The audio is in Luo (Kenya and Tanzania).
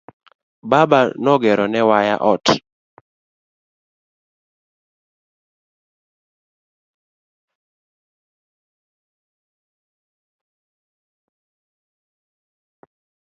Baba no gero ne waya ot.